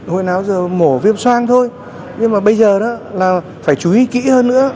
hồi nào giờ mổ viêm xoang thôi nhưng mà bây giờ là phải chú ý kỹ hơn nữa